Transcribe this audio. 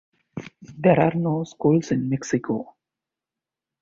There are no schools in Mexico.